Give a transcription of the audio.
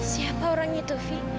siapa orang itu fi